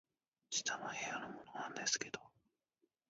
「下の部屋のものなんですけど」